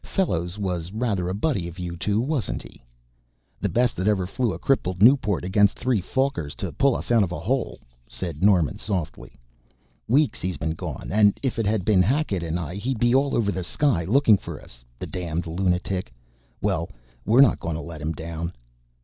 "Fellows was rather a buddy of you two, wasn't he?" "The best that ever flew a crippled Nieuport against three Fokkers to pull us out of a hole," said Norman softly. "Weeks he's been gone, and if it had been Hackett and I he'd be all over the sky looking for us the damned lunatic. Well, we're not going to let him down."